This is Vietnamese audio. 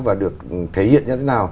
và được thể hiện